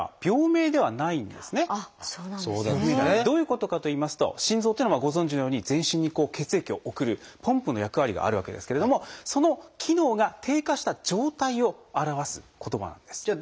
どういうことかといいますと心臓っていうのはご存じのように全身に血液を送るポンプの役割があるわけですけれどもその機能が低下した状態を表す言葉なんです。